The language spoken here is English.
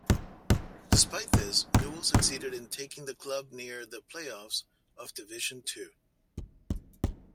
Despite this, Newell succeeded in taking the club near the play-offs of Division Two.